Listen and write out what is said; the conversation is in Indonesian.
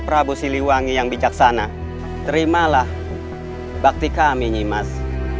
prabu siliwangi yang bijaksana terimalah bakti kami nyimas